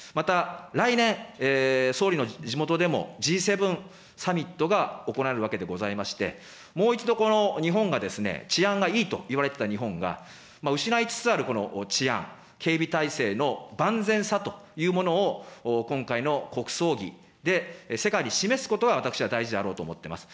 来年、総理の地元でもＧ７サミットが行われるわけでございまして、もう一度、この日本が治安がいいと言われていた日本が、失いつつある治安、警備体制の万全さというものを、今回の国葬儀で世界に示すことが私は大事であろうと思っています。